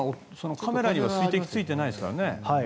カメラには水滴がついてないですからね。